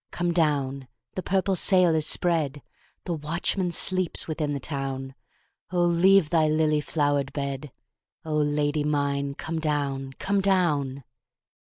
Come down! the purple sail is spread, The watchman sleeps within the town,O leave thy lily flowered bed,O Lady mine come down, come down!